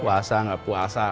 puasa enggak puasa